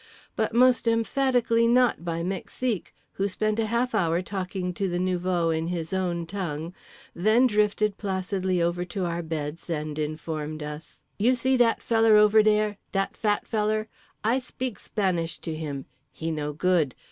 But most emphatically NOT by Mexique, who spent a half hour talking to the nouveau in his own tongue, then drifted placidly over to our beds and informed us: "You see dat feller over dere, dat fat feller? I speak Spanish to him. He no good.